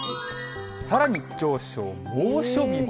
さらに上昇、猛暑日も。